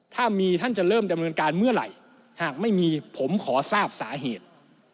ถ้ามีท่านจะเริ่มดำเนินการเมื่อไหร่หากไม่มีผมขอทราบสาเหตุ